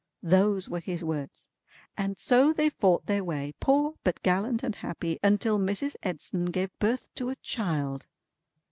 Those were his words. And so they fought their way, poor but gallant and happy, until Mrs. Edson gave birth to a child."